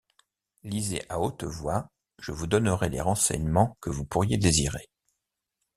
Lisez à voix haute, je vous donnerai les renseignements que vous pourriez désirer.